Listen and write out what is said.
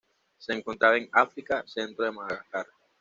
Se encontraba en África: centro de Madagascar.